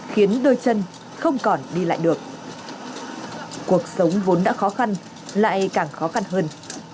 khiến đôi chân không còn đi lại được cuộc sống vốn đã khó khăn lại càng khó khăn hơn